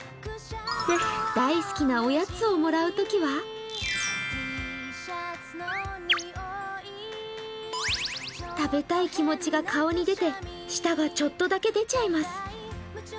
大好きなおやつをもらうときは食べたい気持ちが顔に出て、舌がちょっとだけ出ちゃいます。